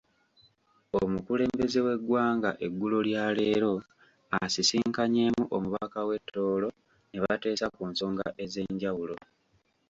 Omukulembeze w'eggwanga eggulo lya leero asisinkanyeemu Omukama w'e Tooro, n'ebateesa ku nsonga ez'enjawulo.